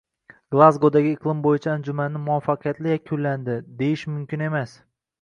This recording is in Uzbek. “Glazgodagi iqlim bo‘yicha anjumanni muvaffaqiyatli yakunlandi, deyish mumkin emas\ng"